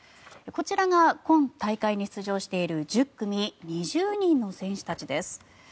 こちらが今大会に出場している１０組２０人の選手たちです。